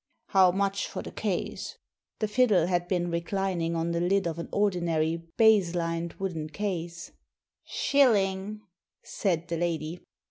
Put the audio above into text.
" How much for the case ?" The fiddle had been reclining on the lid of an ordinary baize lined wooden case. "Shilling," said the lady.